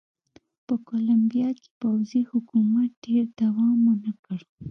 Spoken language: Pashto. په کولمبیا کې پوځي حکومت ډېر دوام ونه کړ.